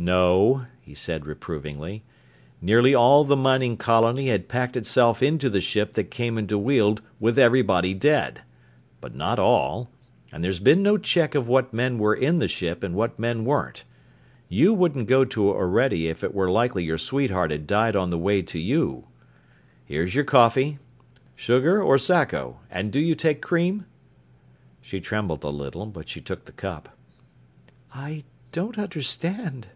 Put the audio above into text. "No," he said reprovingly. "Nearly all the mining colony had packed itself into the ship that came into Weald with everybody dead. But not all. And there's been no check of what men were in the ship and what men weren't. You wouldn't go to Orede if it were likely your sweetheart had died on the way to you. Here's your coffee. Sugar or saccho, and do you take cream?" She trembled a little, but she took the cup. "I don't understand."